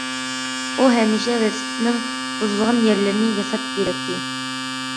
ئۇ ھەمىشە ۋېلىسىپىتنىڭ بۇزۇلغان يەرلىرىنى ياساپ بېرەتتى.